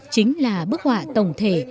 chính là bức họa tổng thể